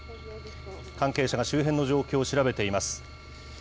関係者が周辺の状況を調べています。